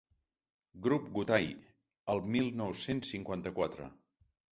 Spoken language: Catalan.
"Grup Gutai" el mil nou-cents cinquanta-quatre.